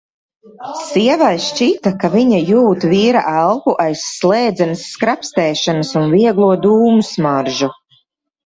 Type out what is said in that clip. Sievai šķita, ka viņa jūt vīra elpu aiz slēdzenes skrapstēšanas un vieglo dūmu smaržu.